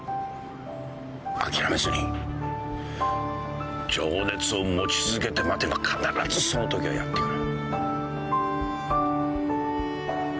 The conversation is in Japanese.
諦めずに情熱を持ち続けて待てば必ずそのときはやって来る。